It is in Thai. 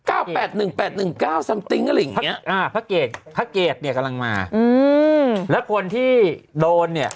อ่าพระเกรดพระเกรดเนี้ยกำลังมาอือและคนที่โดนเนี้ย